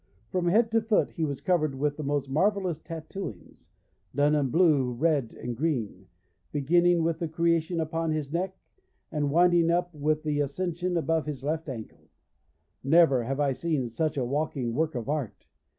From head to foot he was covered with the most marvellous tattooings, done in blue, red, and green, beginning with the Creation upon his neck and winding up with the Ascension upon his left ankle. Never have I seen such a walking work of art.